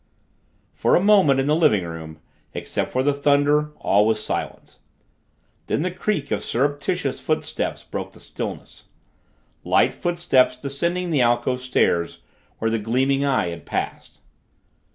For a moment, in the living room, except for the thunder, all was silence. Then the creak of surreptitious footsteps broke the stillness light footsteps descending the alcove stairs where the gleaming eye had passed.